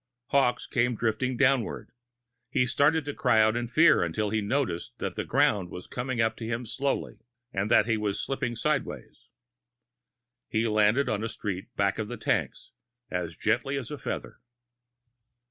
Hawkes came drifting downward. He started to cry out in fear, until he noticed that the ground was coming up at him slowly, and that he was slipping sideways. He landed on a street back of the tanks, as gently as a feather.